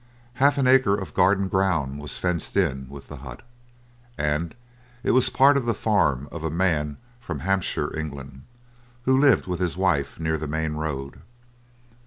Half an acre of garden ground was fenced in with the hut, and it was part of the farm of a man from Hampshire, England, who lived with his wife near the main road.